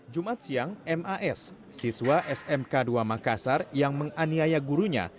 jumat siang mas siswa smk dua makassar yang menganiaya gurunya